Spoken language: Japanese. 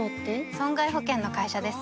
損害保険の会社です